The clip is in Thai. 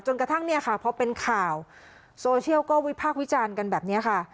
กระทั่งเนี่ยค่ะพอเป็นข่าวโซเชียลก็วิพากษ์วิจารณ์กันแบบนี้ค่ะ